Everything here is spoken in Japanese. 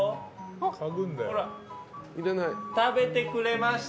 食べてくれました。